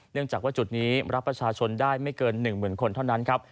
เนื่องจากว่าจุดนี้รับประชาชนได้ไม่เกิน๑๐๐๐คนเท่านั้นครับ